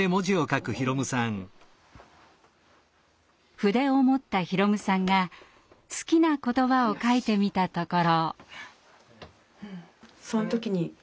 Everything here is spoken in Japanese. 筆を持った宏夢さんが好きな言葉を書いてみたところ。